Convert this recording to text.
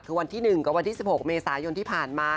คือวันที่๑กับวันที่๑๖เมษายนที่ผ่านมา